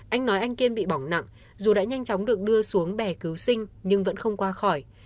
anh nói anh kiên bị bỏng nặng dù đã nhanh chóng được đưa xuống bè cứu sinh nhưng vẫn không qua khỏi